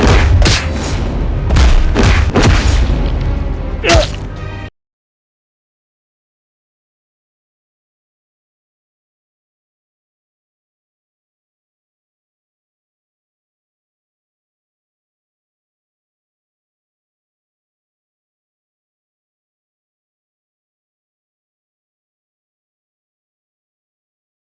kakang pantas itu dihajar